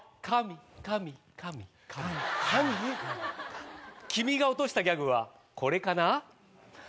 神⁉君が落としたギャグはこれかな？